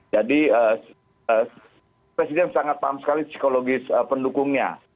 jadi presiden sangat paham sekali psikologis pendukungnya